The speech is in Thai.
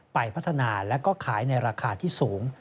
ไปพัฒนาแล้วก็ขายในราคาที่สูง